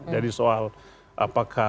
jadi soal apakah